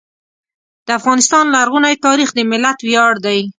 د افغانستان لرغونی تاریخ د ملت ویاړ دی.